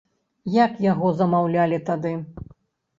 Як яго замаўлялі тады?